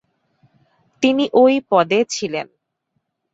তিনি ওই পদে ছিলেন।